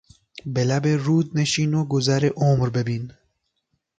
به لب رود نشین و گذر عمر ببین